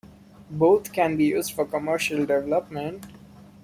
Both can be used for commercial development.